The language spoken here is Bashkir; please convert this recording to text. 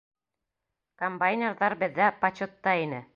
Комбайнерҙар беҙҙә почетта ине.